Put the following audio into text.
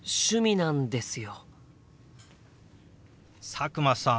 佐久間さん